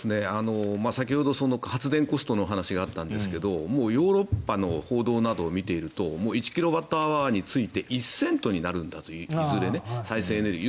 先ほど、発電コストの話があったんですがもうヨーロッパの報道などを見ていると１キロワットアワーについていずれ１セントになるんだと再生可能エネルギー。